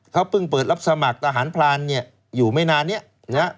เขาเพิ่งเปิดรับสมัครทหารพรานเนี่ยอยู่ไม่นานเนี่ยนะฮะ